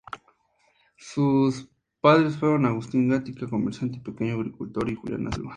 Sus padres fueron Agustín Gatica, comerciante y pequeño agricultor, y Juana Silva.